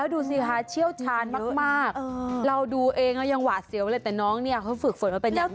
ดูสิคะเชี่ยวชาญมากเราดูเองแล้วยังหวาดเสียวเลยแต่น้องเนี่ยเขาฝึกฝนมาเป็นอย่างดี